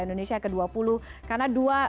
indonesia ke dua puluh karena dua